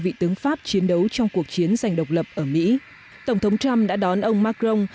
vị tướng pháp chiến đấu trong cuộc chiến giành độc lập ở mỹ tổng thống trump đã đón ông macron